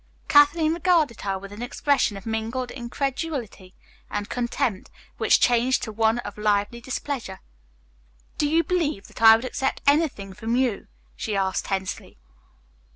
Kathleen regarded her with an expression of mingled incredulity and contempt which changed to one of lively displeasure. "Do you believe that I would accept anything from you?" she asked tensely.